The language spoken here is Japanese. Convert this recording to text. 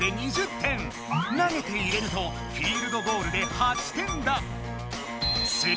投げて入れるとフィールドゴールで８点だ！